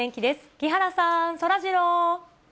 木原さん、そらジロー。